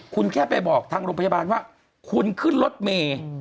คุณแค่ไปบอกทางโรงพยาบาลว่าคุณขึ้นรถเมย์